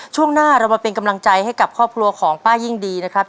ช่วงหน้าเรามาเป็นกำลังใจให้กับครอบครัวของป้ายิ่งดีนะครับ